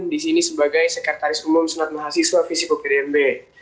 di sini sebagai sekretaris umum senat mahasiswa visi popdmb